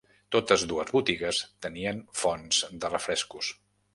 Totes dues botigues tenien fonts de refrescos.